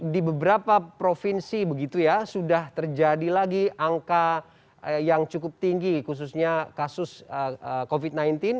di beberapa provinsi begitu ya sudah terjadi lagi angka yang cukup tinggi khususnya kasus covid sembilan belas